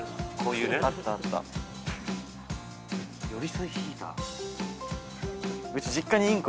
こういうね